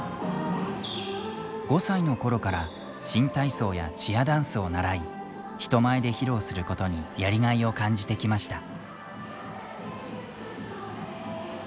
５歳のころから新体操やチアダンスを習い人前で披露することにやりがいを感じてきました。